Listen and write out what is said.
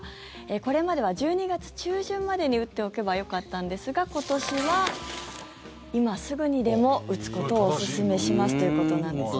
これまでは１２月中旬までに打っておけばよかったんですが今年は今すぐにでも打つことをおすすめしますということなんですね。